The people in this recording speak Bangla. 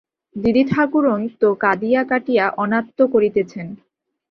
দিদিঠাকরুণ তো কাঁদিয়া কাটিয়া অনাত্ত করিতেছেন।